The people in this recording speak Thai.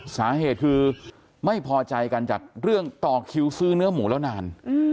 สาเหตุคือไม่พอใจกันจากเรื่องต่อคิวซื้อเนื้อหมูแล้วนาน